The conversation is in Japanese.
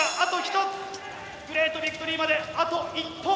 グレートビクトリーまであと１本！